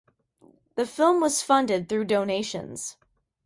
The film was funded through donations.